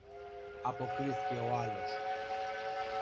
αποκρίθηκε ο άλλος.